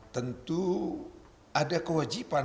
tentu ada kewajiban